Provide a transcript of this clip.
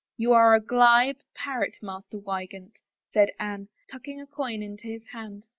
" You are a glib parrot, Master Wygant," said Anne, and tucked a coin into his hand.